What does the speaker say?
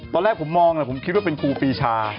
ตอนแรกผมมองแหละผมคิดว่าเป็นครูปีชา